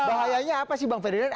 bahayanya apa sih bang ferdinand